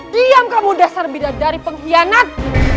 diam kamu dasar bidadari pengkhianat